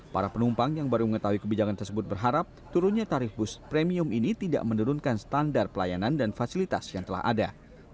para penumpang yang baru mengetahui kebijakan tersebut berharap turunnya tarif bus premium ini tidak menurunkan standar pelayanan dan fasilitas yang telah ada